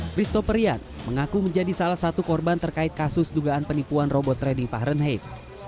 christophrian mengaku menjadi salah satu korban terkait kasus dugaan penipuan robot trading fahrenheit